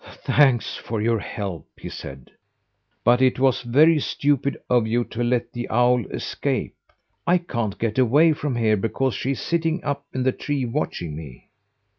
"Thanks for your help," he said. "But it was very stupid of you to let the owl escape. I can't get away from here, because she is sitting up in the tree watching me."